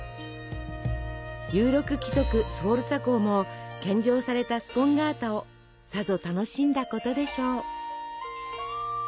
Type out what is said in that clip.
有力貴族スフォルツァ公も献上されたスポンガータをさぞ楽しんだことでしょう。